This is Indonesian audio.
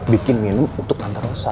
bikin minum untuk antar rosa